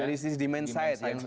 dari sisi dimensidenya